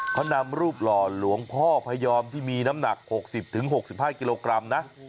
เขานำรูปหล่อหลวงพ่อพยอมที่มีน้ำหนัก๖๐๖๕กิโลกรัมนะ